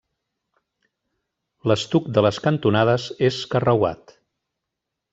L'estuc de les cantonades és carreuat.